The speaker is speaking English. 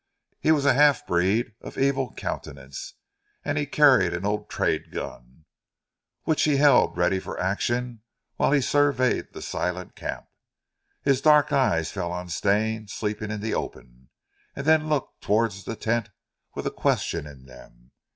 He was a half breed of evil countenance, and he carried an old trade gun, which he held ready for action whilst he surveyed the silent camp. His dark eyes fell on Stane sleeping in the open, and then looked towards the tent with a question in them.